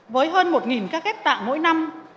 với hơn một ca ghép tạng mỗi năm